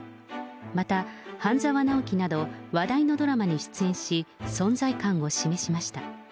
また、半沢直樹など話題のドラマに出演し、存在感を示しました。